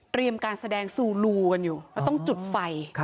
การแสดงซูลูกันอยู่แล้วต้องจุดไฟ